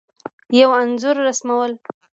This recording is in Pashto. یو انځور رسمول